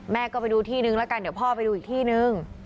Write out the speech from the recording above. ก็ไปดูที่นึงแล้วกันเดี๋ยวพ่อไปดูอีกที่นึง